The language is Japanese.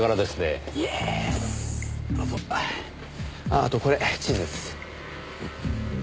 あとこれ地図です。